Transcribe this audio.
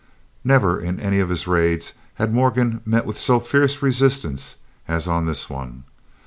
Never, in any of his raids, had Morgan met with so fierce resistance as on this one.